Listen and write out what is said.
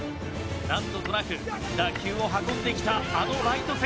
何度となく打球を運んできたあのライト線。